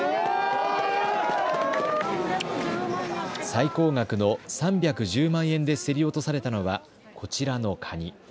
最高額の３１０万円で競り落とされたのはこちらのカニ。